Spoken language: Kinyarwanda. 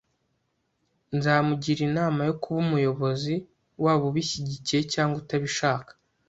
Nzamugira inama yo kuba umuyobozi, waba ubishyigikiye cyangwa utabishaka